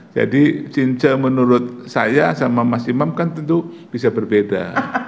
jadi cinca menurut saya sama mas imam kan tentu bisa berbeda